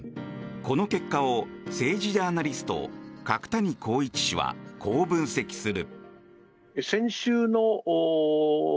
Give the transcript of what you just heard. この結果を政治ジャーナリスト角谷浩一氏はこう分析する。